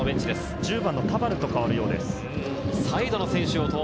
１０番の田原と代わるようです。